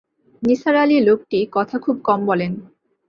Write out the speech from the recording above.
নিসার আলি লোকটি কথা খুব কম বলেন।